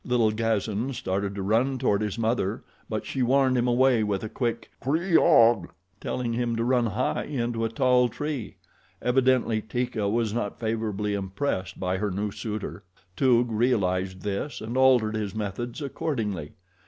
Little Gazan started to run toward his mother, but she warned him away with a quick "Kreeg ah!" telling him to run high into a tall tree. Evidently Teeka was not favorably impressed by her new suitor. Toog realized this and altered his methods accordingly.